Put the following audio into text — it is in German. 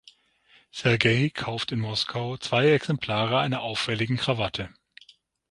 Sergei kauft in Moskau zwei Exemplare einer auffälligen Krawatte.